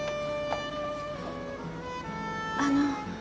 あの。